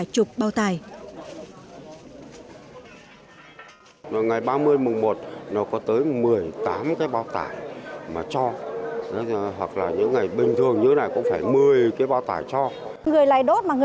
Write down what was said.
một năm triệu đồng